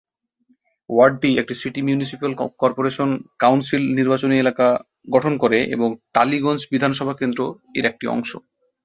ওয়ার্ডটি একটি city municipal corporation council নির্বাচনী এলাকা গঠন করে এবং টালিগঞ্জ বিধানসভা কেন্দ্র এর একটি অংশ।